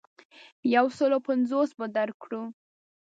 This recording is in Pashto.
یو سلو پنځوس به درکړو.